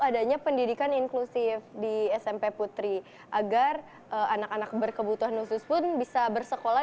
adanya pendidikan inklusif di smp putri agar anak anak berkebutuhan khusus pun bisa bersekolah